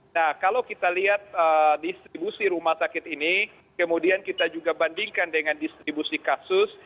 nah kalau kita lihat distribusi rumah sakit ini kemudian kita juga bandingkan dengan distribusi kasus